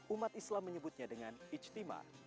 umat islam menyebutnya dengan ijtima